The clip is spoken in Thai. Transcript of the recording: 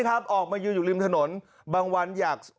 อยากขึ้นหัวหน้า